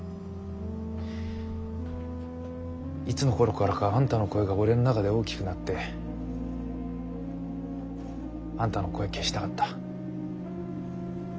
いつの頃からかあんたの声が俺の中で大きくなってあんたの声消したかった。